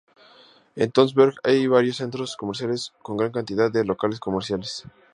En Tønsberg hay varios centros comerciales con gran cantidad de locales comerciales.